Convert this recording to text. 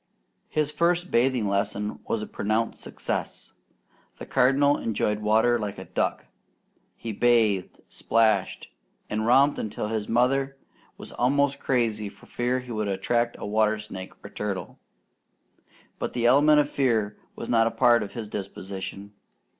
His first bathing lesson was a pronounced success. The Cardinal enjoyed water like a duck. He bathed, splashed, and romped until his mother was almost crazy for fear he would attract a watersnake or turtle; but the element of fear was not a part of his disposition.